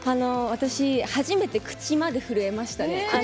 私、初めて口まで震えましたね。